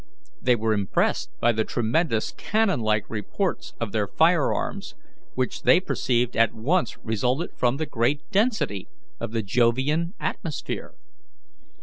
They were impressed by the tremendous cannon like reports of their firearms, which they perceived at once resulted from the great density of the Jovian atmosphere.